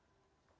selamat pagi pak